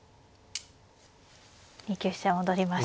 ２九飛車戻りました。